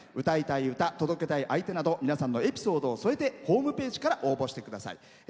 歌いたい歌、届けたい相手など皆さんのエピソードを添えてホームページから応募してください。